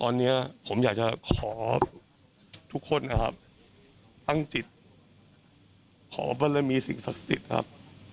ตอนนี้ผมอยากจะขอทุกคนนะครับตั้งจิตขอบรมีสิ่งศักดิ์สิทธิ์ครับ